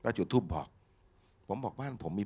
พระพุทธพิบูรณ์ท่านาภิรม